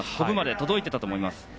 コブまで届いていたと思います。